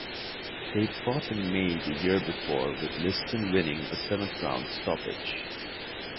They'd fought in May the year before with Liston winning a seventh round stoppage.